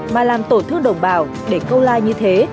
mà làm tổn thương đồng bào để câu like như thế